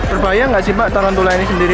berbahaya nggak sih pak tarantula ini sendiri